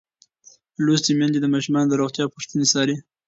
لوستې میندې د ماشومانو د روغتیا پوښتنې څاري.